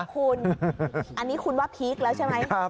คุณอันนี้คุณว่าพีคแล้วใช่ไหม